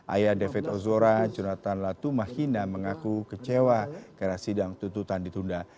ayah david ozora jonathan latumahina mengaku kecewa karena sidang tututan ditunda